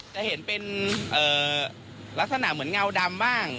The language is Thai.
จะเห็นเป็นลักษณะเหมือนเงาดำบ้าง